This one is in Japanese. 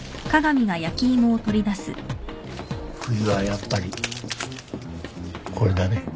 冬はやっぱりこれだね。